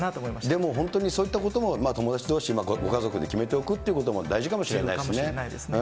でも、本当にそういったことも友達どうし、ご家族で決めておくということも大事かもしれないかもしれないですね。